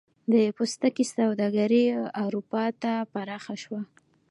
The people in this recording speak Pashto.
د پوستکي سوداګري اروپا ته پراخه شوه.